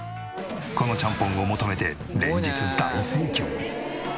このちゃんぽんを求めて連日大盛況。